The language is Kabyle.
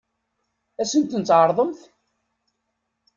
Ad sen-ten-tɛeṛḍemt?